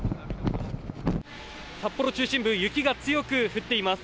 札幌中心部雪が強く降っています。